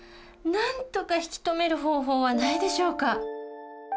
なんとか引き止める方法はないでしょうか？